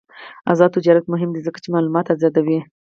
آزاد تجارت مهم دی ځکه چې معلومات آزادوي.